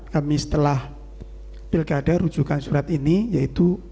kami setelah pilkada rujukan surat ini yaitu